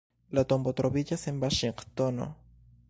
La tombo troviĝas en Vaŝingtono.